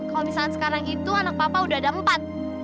kalau misalnya sekarang itu anak papa udah ada empat